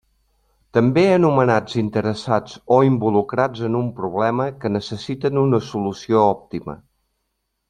També anomenats interessats o involucrats en un problema que necessiten una solució òptima.